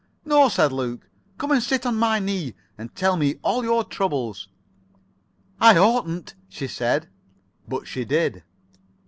"No," said Luke. "Come and sit on my knee, and tell me all your troubles." "I oughtn't," she said, but she did.